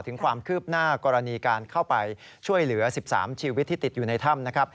ถึงความคืบหน้ากรณีการเข้าไปช่วยเหลือ๑๓ชีวิตที่ติดอยู่ในถ้ำนะครับ